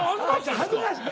恥ずかしい。